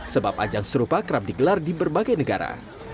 sebab ajang serupa kerap digelar di berbagai negara